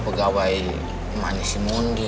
pegawai emaknya si mondi